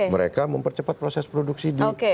mereka mempercepat proses produksi di